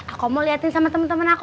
aku mau liatin sama temen temen aku